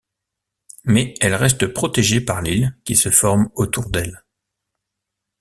Mais elle reste protégée par l'île qui se forme autour d'elle.